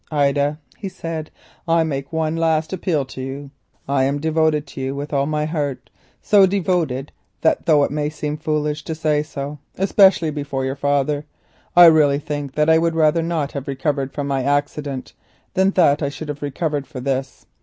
"Ida," he said, "I make one last appeal to you. I am devoted to you with all my heart; so devoted that though it may seem foolish to say so, especially before your father, I really think I would rather not have recovered from my accident than that I should have recovered for this.